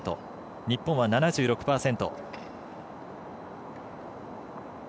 日本は７６％。